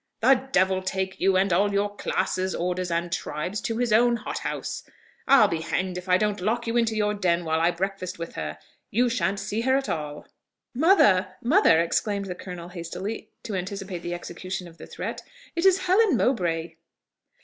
"The devil take you, and all your classes, orders, and tribes, to his own hothouse! I'll be hanged if I don't lock you into your den while I breakfast with her; you shan't see her at all!" "Mother! mother!" exclaimed the colonel hastily, to anticipate the execution of the threat "it is Helen Mowbray!"